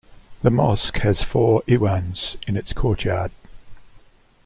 The mosque has four iwans in its courtyard.